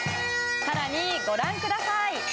更にご覧ください。